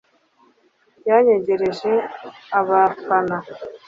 yanyegereje abafana